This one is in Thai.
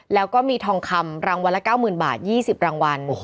แล้วก็มีทองคำรางวัลละ๙๐๐บาท๒๐รางวัล